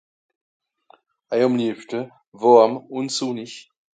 Àm liebschte, woàrm, ùn sùnnisch.